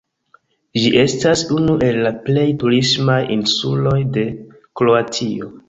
Ĝi estas unu el la plej turismaj insuloj de Kroatio.